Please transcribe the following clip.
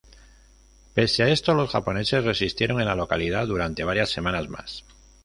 Pese a esto, los japoneses resistieron en la localidad durante varias semanas más.